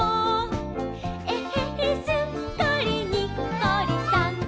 「えへへすっかりにっこりさん！」